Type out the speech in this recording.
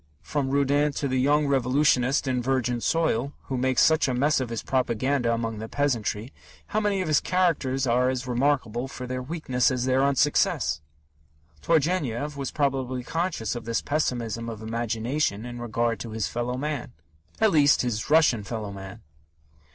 From Rudin to the young revolutionist in Virgin Soil, who makes such a mess of his propaganda among the peasantry, how many of his characters are as remarkable for their weakness as their unsuccess! Turgenev was probably conscious of this pessimism of imagination in regard to his fellow man at least, his Russian fellow man.